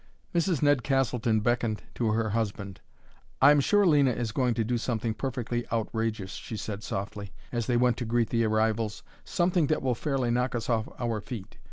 Mrs. Ned Castleton beckoned to her husband. "I'm sure Lena is going to do something perfectly outrageous," she said softly as they went to greet the arrivals, "something that will fairly knock us off our feet.